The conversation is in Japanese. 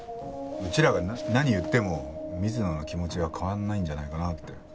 うちらが何を言っても水野の気持ちは変わらないんじゃないかなって。